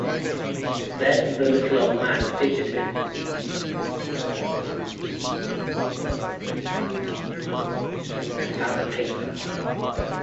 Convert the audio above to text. Then the little old man fidgeted and found a paper.